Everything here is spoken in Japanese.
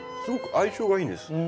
すごく相性がいいんです。